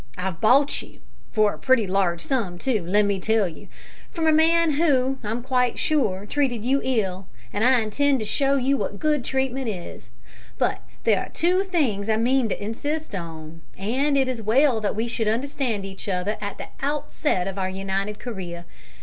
I've bought you for a pretty large sum too, let me tell you from a man who, I am quite sure, treated you ill, and I intend to show you what good treatment is; but there are two things I mean to insist on, and it is well that we should understand each other at the outset of our united career.